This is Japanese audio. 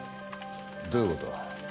どういうことだ？